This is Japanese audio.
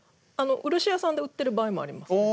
漆屋さんで売ってる場合もあります。